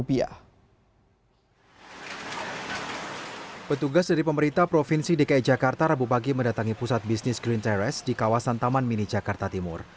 petugas dari pemerintah provinsi dki jakarta rabu pagi mendatangi pusat bisnis green terrace di kawasan taman mini jakarta timur